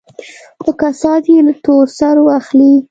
خو کسات يې له تور سرو اخلي.